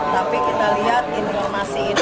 tapi kita lihat informasi ini